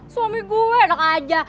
suami gue enak aja